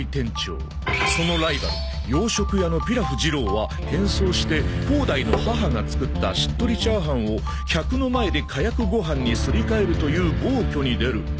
「そのライバル洋食屋のピラフ次郎は変装して広大の母が作ったしっとりチャーハンを客の前でかやくご飯にすり替えるという暴挙に出る」